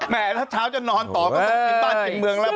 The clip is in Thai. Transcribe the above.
แหมถ้าเช้าจะนอนต่อก็ต้องกินบ้านเก่งเมืองแล้วพอเอ้ย